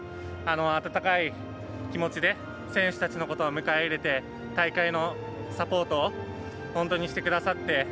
温かい気持ちで選手たちのことを迎え入れてくれて大会のサポートをしてくださって。